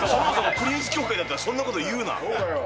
プリンス協会だったらそんなそうだよ。